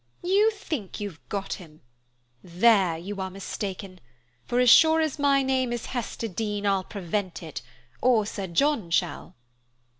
You think you've got him. There you are mistaken; for as sure as my name is Hester Dean, I'll prevent it, or Sir John shall."